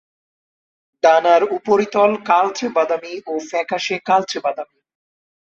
ডানার উপরিতল কালচে বাদামি ও ফ্যাকাশে কালচে বাদামি।